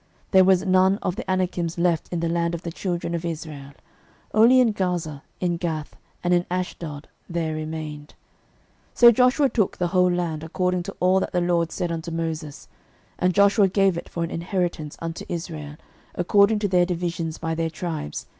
06:011:022 There was none of the Anakims left in the land of the children of Israel: only in Gaza, in Gath, and in Ashdod, there remained. 06:011:023 So Joshua took the whole land, according to all that the LORD said unto Moses; and Joshua gave it for an inheritance unto Israel according to their divisions by their tribes.